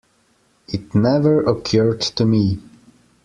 It never occurred to me.